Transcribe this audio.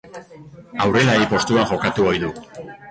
Aurrelari postuan jokatu ohi du.